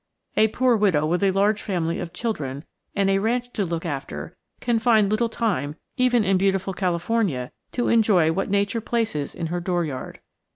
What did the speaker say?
A poor widow with a large family of children and a ranch to look after can find little time, even in beautiful California, to enjoy what Nature places in her door yard.